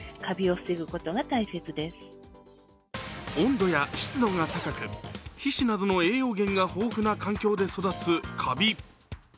温度や湿度が高く皮脂などの栄養源が豊富な環境で育つカビ。